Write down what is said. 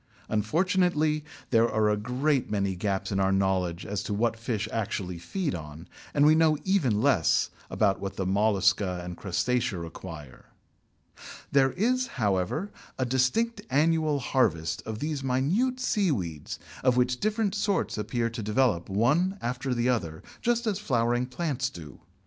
Unfortunately there are a great many gaps in our knowledge as to what fish actually feed on, and we know even less about what the Mollusca and Crustacea require. There is, however, a distinct annual harvest of these minute seaweeds, of which different sorts appear to develop one after the other, just as flowering plants do.